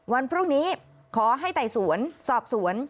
วันพรุ่งนี้ขอให้ไต่สวนสอบสวน